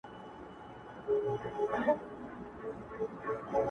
باران وريږي ډېوه مړه ده او څه ستا ياد دی”